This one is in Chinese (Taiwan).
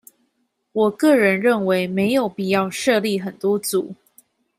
我個人認為沒有必要設立很多組